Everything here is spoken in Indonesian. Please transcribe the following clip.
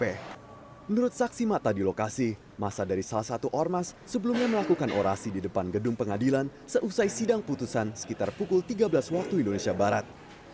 menurut saksi mata di lokasi masa dari salah satu ormas sebelumnya melakukan orasi di depan gedung pengadilan seusai sidang putusan sekitar pukul tiga belas waktu indonesia barat